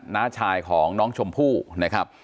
น้าชายของน้องชมพู่นะครับ